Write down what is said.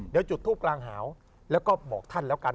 เดี๋ยวจุดทูปกลางหาวแล้วก็บอกท่านแล้วกัน